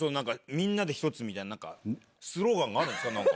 みんなで一つみたいな、なんかスローガンがあるんですか、なんか。